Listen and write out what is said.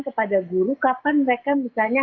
kepada guru kapan mereka misalnya